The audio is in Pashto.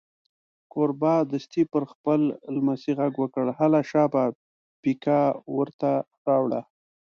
کوربه دستي پر خپل لمسي غږ وکړ: هله شابه پیکه ور ته راوړه.